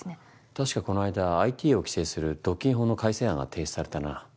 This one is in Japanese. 確かこないだＩＴを規制する独禁法の改正案が提出されたな。